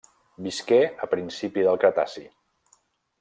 Visqué a principi del Cretaci.